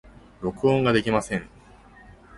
録音ができません。